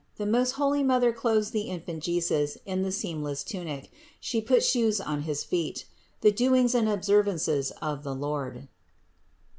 THE MOST HOLY MOTHER CLOTHES THE INFANT JESUS IN THE SEAMLESS TUNIC; SHE PUTS SHOES ON HIS FEET. THE DOINGS AND OBSERVANCES OF THE LORD.